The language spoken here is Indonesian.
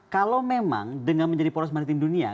kalau memang dengan menjadi poros maritim dunia